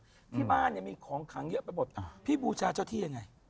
ที่มารมีของขังเยอะไปหมดพี่บูชาเจ้าที่ยังไง